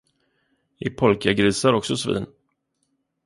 Är polkagrisar också svin?